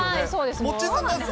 そうです。